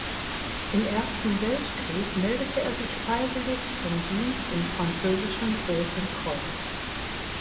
Im Ersten Weltkrieg meldete er sich freiwillig zum Dienst im französischen Roten Kreuz.